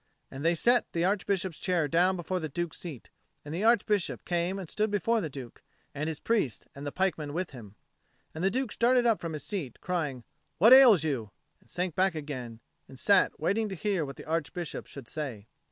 And they set the Archbishop's chair down before the Duke's seat, and the Archbishop came and stood before the Duke, and his priests and the pikemen with him. And the Duke started up from his seat, crying, "What ails you?" and sank back again, and sat waiting to hear what the Archbishop should say.